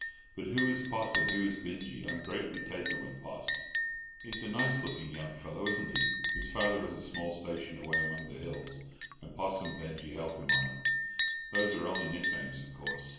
But who is Poss? and who is Binjie? I'm greatly taken with Poss." "He's a nice looking young fellow, isn't he? His father has a small station away among the hills, and Poss and Binjie help him on it. Those are only nick names, of course.